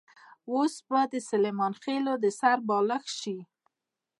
اوس به نو د سلیمان خېلو د سر بالښت شي.